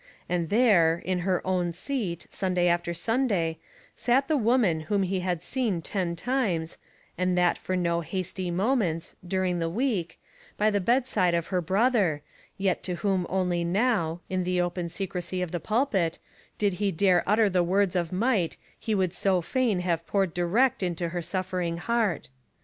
And there, in her own seat, Sunday after Sunday, sat the woman whom he had seen ten times, and that for no hasty moments, during the week, by the bedside of her brother, yet to whom only now, in the open secrecy of the pulpit, did he dare utter the words of might he would so fain have poured direct into her suffering heart.